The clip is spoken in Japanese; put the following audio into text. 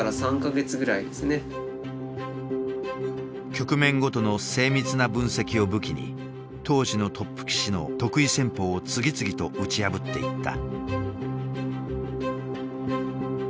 局面ごとの精密な分析を武器に当時のトップ棋士の得意戦法を次々と打ち破っていった。